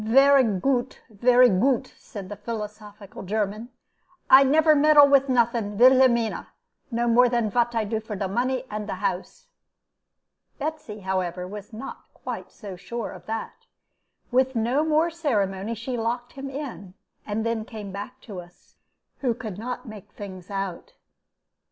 "Vere goot, vere goot," said the philosophical German; "I never meddle with nothing, Vilhelmina, no more than vhat I do for de money and de house." Betsy, however, was not quite so sure of that. With no more ceremony she locked him in, and then came back to us, who could not make things out.